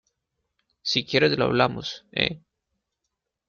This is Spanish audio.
si quieres lo hablamos, ¿ eh?